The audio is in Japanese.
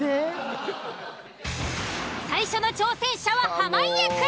最初の挑戦者は濱家くん。